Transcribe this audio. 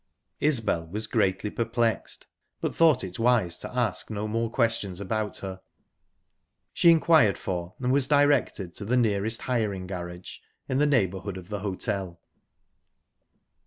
Isbel was greatly perplexed, but thought it wise to ask no more questions about her. She inquired for, and was directed to the nearest hiring garage in the neighbourhood of the hotel.